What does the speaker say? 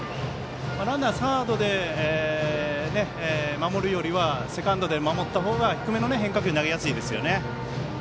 ランナーサードで守るよりはセカンドで守った方が低めの変化球投げやすいですよね。